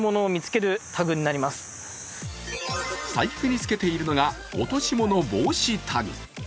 財布につけているのが、落とし物防止タグ。